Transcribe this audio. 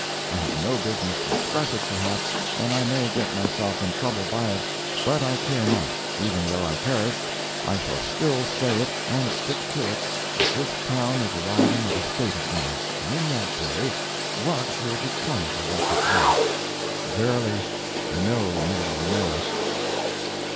I have no business to express it, perhaps, and I may get myself in trouble by it; but I care not; even though I perish, I shall still say it and stick to it, that this town is arriving at a state of things. And in that day, what will become of the wretched place? Verily, no man knoweth.